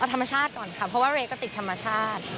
ธรรมชาติก่อนค่ะเพราะว่าเรก็ติดธรรมชาติ